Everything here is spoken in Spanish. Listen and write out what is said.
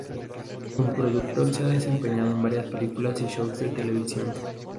Como productor, se ha desempeñado en varias películas y shows de televisión.